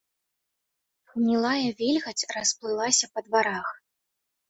Гнілая вільгаць расплылася па дварах.